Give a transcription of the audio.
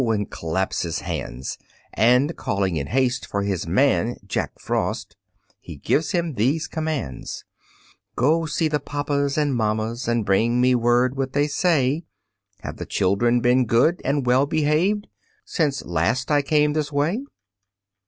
and claps his hands, And calling in haste for his man, Jack Frost, He gives him these commands: "Go see the papas and mammas, And bring me word what they say: Have the children been good and well behaved, Since last I came this way?"